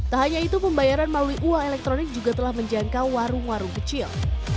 tak hanya itu pembayaran melalui uang elektronik juga telah menjangkau warung warung kecil